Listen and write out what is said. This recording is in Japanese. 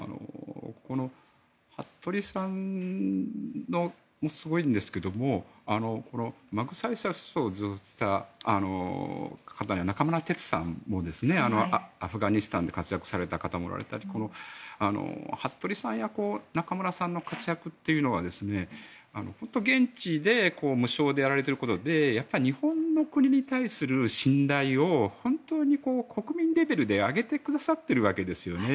服部さんもすごいんですけれどもマグサイサイ賞を受賞した方中村哲さんもアフガニスタンで活躍された方もおられたり服部さんや中村さんの活躍というのは本当に現地で無償でやられていることで日本の国に対する信頼を本当に国民レベルで上げてくださっているわけですよね。